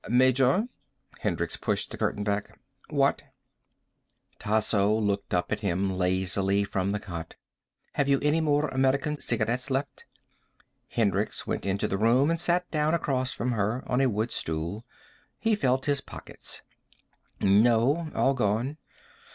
"Major?" Hendricks pushed the curtain back. "What?" Tasso looked up at him lazily from the cot. "Have you any more American cigarettes left?" Hendricks went into the room and sat down across from her, on a wood stool. He felt in his pockets. "No. All gone."